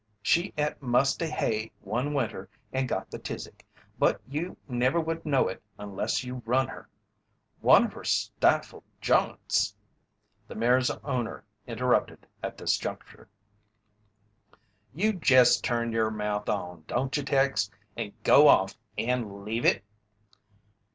She et musty hay one winter and got the tizic, but you never would know it unless you run her. One of her stifle j'ints " The mare's owner interrupted at this juncture: "You jest turn your mouth on, don't you, Tex, and go off and leave it?"